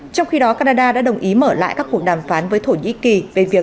trong khi đó canada đã đồng ý mở lại các cuộc đàm phán với thổ nhĩ kỳ